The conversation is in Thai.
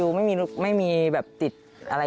ถ้าไม่มีคิวไม่มีติดอะไร